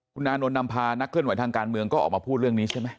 คุณอานนท์นำพานักเคลื่อนไหวทางการเมืองก็ออกมาพูดเรื่องนี้ใช่ไหม